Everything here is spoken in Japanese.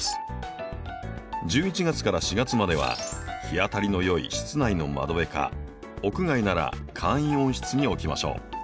１１月から４月までは日当たりのよい室内の窓辺か屋外なら簡易温室に置きましょう。